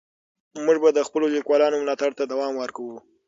موږ به د خپلو لیکوالانو ملاتړ ته دوام ورکوو.